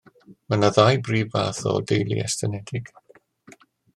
Mae yna ddau brif fath o deulu estynedig